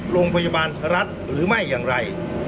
โรงพยาบาลรัฐหรือไม่อย่างไร